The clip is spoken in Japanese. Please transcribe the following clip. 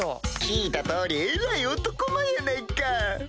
聞いた通りえらい男前やないか！